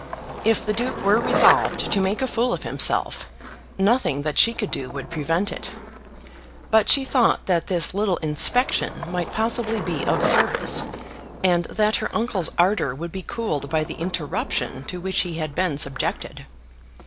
If the Duke were resolved to make a fool of himself, nothing that she could do would prevent it. But she thought that this little inspection might possibly be of service, and that her uncle's ardour would be cooled by the interruption to which he had been subjected.